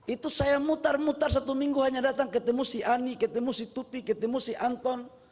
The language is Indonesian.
itu saya mutar mutar satu minggu hanya datang ketemu si ani ketemu si tuti ketemu si anton